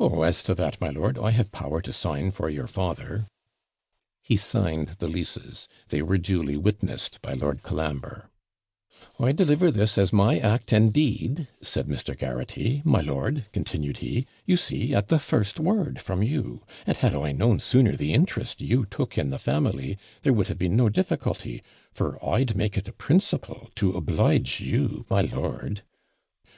'Oh, as to that, my lord, I have power to sign for your father.' He signed the leases; they were duly witnessed by Lord Colambre. 'I deliver this as my act and deed,' said Mr. Garraghty; 'My lord,' continued he, 'you see, at the first word from you; and had I known sooner the interest you took in the family, there would have been no difficulty; for I'd make it a principle to oblige you, my lord.'